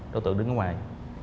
đối tượng đứng ở ngoài